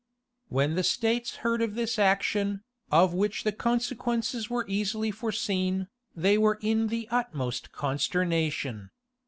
When the states heard of this action, of which the consequences were easily foreseen, they were in the utmost consternation.